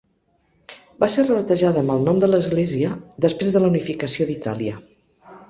Va ser rebatejada amb el nom de l'església després de la unificació d'Itàlia.